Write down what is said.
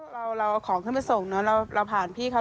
เราเอาของขึ้นมาส่งเนอะเราผ่านพี่เขา